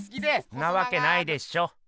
んなわけないでしょ！